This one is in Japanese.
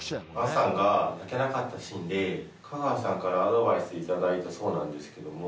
杏さんが、泣けなかったシーンで、香川さんからアドバイス頂いたそうなんですけど。